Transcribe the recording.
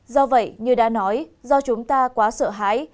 do vậy như đã nói do chúng ta quá sợ hãi